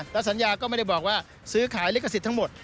แล้วสัญญาก็ไม่ได้บอกว่าซื้อขายลิขสิทธิ์ทั้งหมด